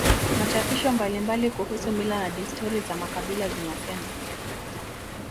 Machapisho mbalimbali kuhusu mila na desturi za makabila zinasema